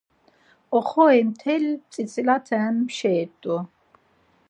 Oxori mteli tzitzilate pşeri t̆u.